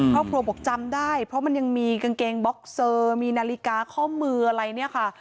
ครอบครัวบอกจำได้เพราะมันยังมีกางเกงบ็อกเซอร์มีนาฬิกาข้อมืออะไรเนี่ยค่ะ